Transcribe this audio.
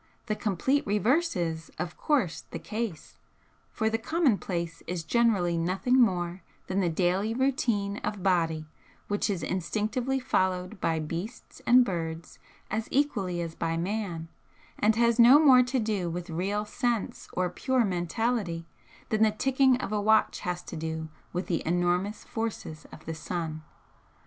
The complete reverse is, of course, the case, for the 'commonplace' is generally nothing more than the daily routine of body which is instinctively followed by beasts and birds as equally as by man, and has no more to do with real 'sense' or pure mentality than the ticking of a watch has to do with the enormous forces of the sun.